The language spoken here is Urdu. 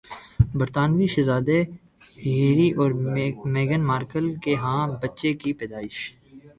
برطانوی شہزادے ہیری اور میگھن مارکل کے ہاں بچے کی پیدائش